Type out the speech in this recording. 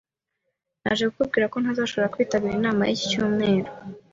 Naje kubabwira ko ntazashobora kwitabira inama y'iki cyumweru.